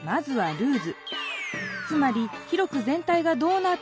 ルーズ！